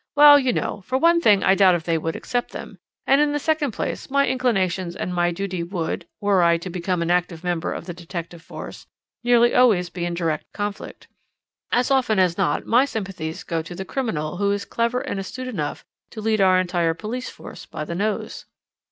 "Well, you know, for one thing I doubt if they would accept them; and in the second place my inclinations and my duty would were I to become an active member of the detective force nearly always be in direct conflict. As often as not my sympathies go to the criminal who is clever and astute enough to lead our entire police force by the nose.